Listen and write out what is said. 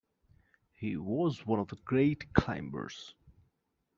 He was one of the great climbers.